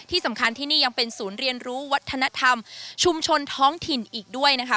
ที่สำคัญที่นี่ยังเป็นศูนย์เรียนรู้วัฒนธรรมชุมชนท้องถิ่นอีกด้วยนะคะ